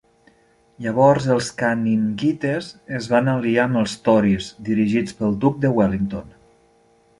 Llavors els "canninguites" es van aliar amb els "tories", dirigits pel duc de Wellington.